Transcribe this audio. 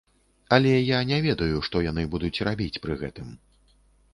Але я не ведаю, што яны будуць рабіць пры гэтым.